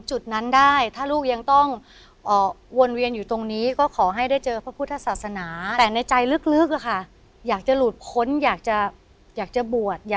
คุณรอนรวมอยู่ในบ้านหลังใหญ่